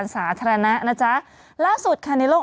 อย่างนี้